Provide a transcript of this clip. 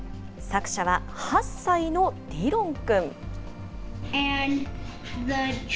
作者は、８歳のディロン君。